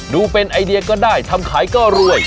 ดูเป็นไอเดียก็ได้ทำขายก็รวย